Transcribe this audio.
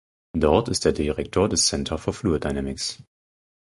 Dort ist er Direktor des Center for Fluid Dynamics.